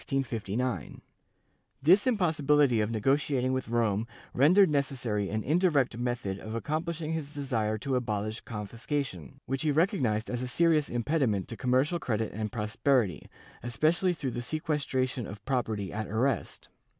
* This impossibility of negotiating with Rome rendered necessary an indirect method of accomplishing his desire to abolish confis cation, which he recognized as a serious impediment to commercial credit and prosperity, especially through the sequestration of property at arrest.